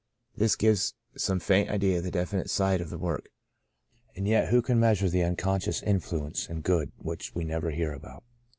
" This gives some faint idea of the definite side of the work, and yet who can meas ure the unconscious influence and good By a Great Deliverance 163 which we never hear about?